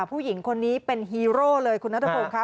ผู้หญิงคนนี้เป็นฮีโร่เลยคุณนัทพงศ์ค่ะ